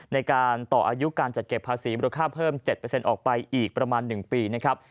ในการต่ออายุการจัดเก็บภาษีมูลค่าเพิ่ม๗ออกไปอีกประมาณ๑ปีนะครับ